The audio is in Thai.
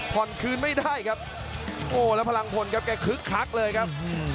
คืนไม่ได้ครับโอ้แล้วพลังพลครับแกคึกคักเลยครับ